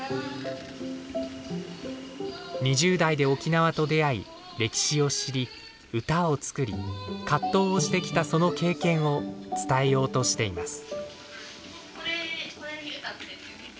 ２０代で沖縄と出会い歴史を知り歌を作り葛藤をしてきたその経験を伝えようとしています。